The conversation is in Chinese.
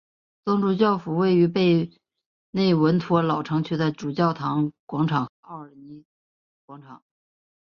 总主教府位于贝内文托老城区的主教座堂广场和奥尔西尼广场。